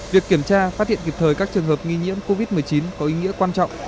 việc kiểm tra phát hiện kịp thời các trường hợp nghi nhiễm covid một mươi chín có ý nghĩa quan trọng